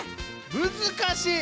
難しい！